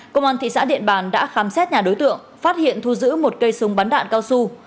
công an thị xã điện bàn đã khám xét nhà đối tượng phát hiện thu giữ một cây súng bắn đạn cao su